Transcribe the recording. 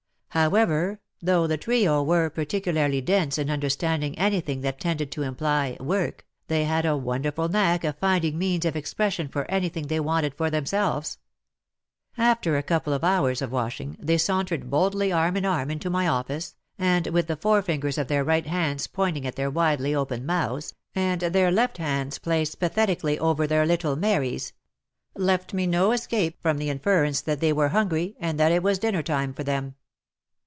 However, though the trio were particularly dense in understanding anything that tended to imply work, they had a wonderful knack of finding means of expres sion for anything they wanted for themselves. After a couple of hours of washing, they sauntered boldly arm in arm into my office, and with the forefingers of their right hands pointing at their widely open mouths, and their left hands placed pathetically over their little Marys, — left me no escape from the inference that they were hungry and that it was dinner time for them.